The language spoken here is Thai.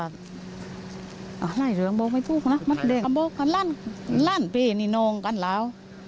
มันเรียนบอกล่านเพน้องการเลา